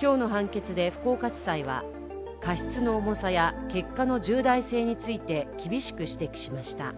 今日の判決で福岡地裁は、過失の重さや結果の重大性について厳しく指摘しました。